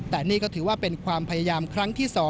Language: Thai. แต่นี่ก็ถือว่าเป็นความพยายามครั้งที่๒